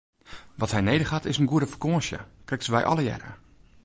Wat hy nedich hat is in goede fakânsje, krekt as wy allegearre!